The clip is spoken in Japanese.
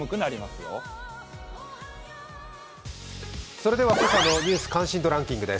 それでは今朝の「ニュース関心度ランキング」です。